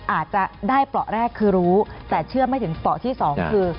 อาจจะได้ปล่อแรกคือรู้แต่เชื่อมให้ถึงปล่อที่สองคือ